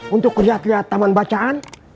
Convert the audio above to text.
untuk lihat lihat taman bacaan